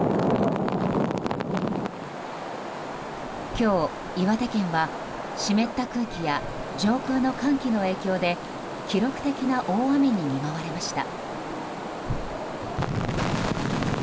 今日、岩手県は湿った空気や上空の寒気の影響で記録的な大雨に見舞われました。